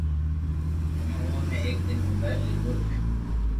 ھين اومون ۾ ايڪ دن موبائل ليدو ھين